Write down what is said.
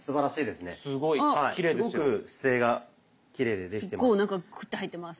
すごく姿勢がきれいでできてます。